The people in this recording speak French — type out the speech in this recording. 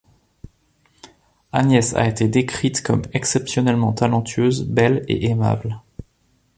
Agnès a été décrite comme exceptionnellement talentueuse, belle et aimable.